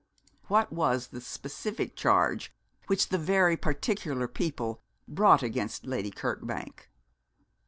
What was the specific charge which the very particular people brought against Lady Kirkbank?